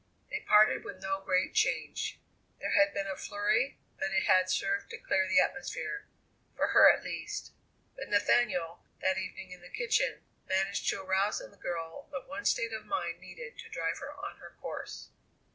They parted with no great change. There had been a flurry, but it had served to clear the atmosphere for her at least. But Nathaniel, that evening in the kitchen, managed to arouse in the girl the one state of mind needed to drive her on her course.